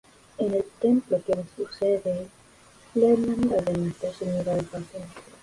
En el templo tiene su sede la Hermandad de Nuestra Señora de Fátima.